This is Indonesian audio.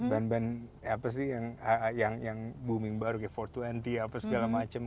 band band apa sih yang booming baru kayak empat ratus dua puluh apa segala macem